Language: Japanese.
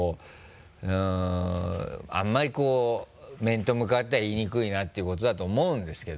うんあんまりこう面と向かっては言いにくいなっていうことだと思うんですけど。